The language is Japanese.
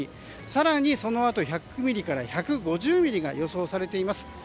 更にそのあと、１００ミリから１５０ミリが予想されています。